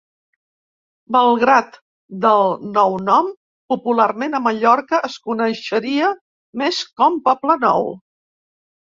Malgrat del nou nom, popularment, a Mallorca es coneixeria més com Poble Nou.